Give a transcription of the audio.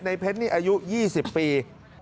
ในเพชรในอายุ๒๐ปี